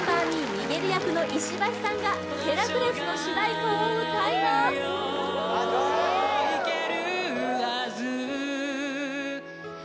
ミゲル役の石橋さんが「ヘラクレス」の主題歌を歌います場所があるよ